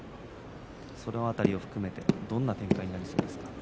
その辺りを含めてどんな展開になりますかね。